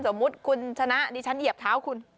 สมมุติคุณชนะดิฉันเหยียบเท้าคุณ